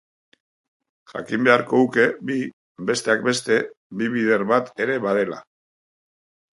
Jakin beharko huke bi, besteak beste, bi bider bat ere badela.